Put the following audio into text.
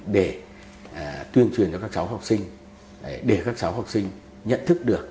để tuyên truyền cho các cháu học sinh để các cháu học sinh nhận thức được